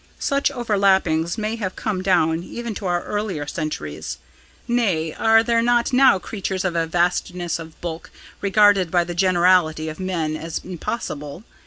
Such over lappings may have come down even to our earlier centuries. Nay, are there not now creatures of a vastness of bulk regarded by the generality of men as impossible?